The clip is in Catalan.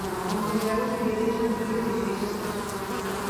El museu es divideix en dos edificis.